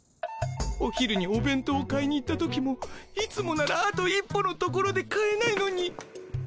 お昼におべん当を買いに行った時もいつもならあと一歩のところで買えないのに。